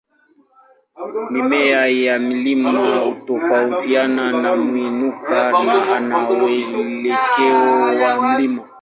Mimea ya mlima hutofautiana na mwinuko na mwelekeo wa mlima.